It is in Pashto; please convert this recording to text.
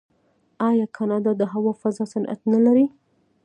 آیا کاناډا د هوا فضا صنعت نلري؟